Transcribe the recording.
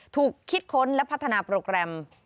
ถูกคิดค้นและพัฒนาโปรแกรม